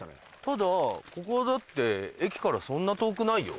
ただここだって駅からそんな遠くないよ。